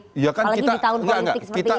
apalagi di tahun politik seperti ini